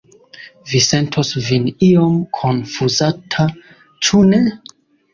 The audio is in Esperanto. Vi sentos vin iom konfuzata, ĉu ne?